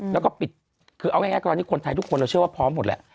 แล้วก็ปิดคือเอาง่ายตอนนี้คนไทยทุกคนเราเชื่อว่าพร้อมหมดแหละ